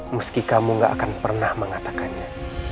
meski kamu gak akan pernah mengatakannya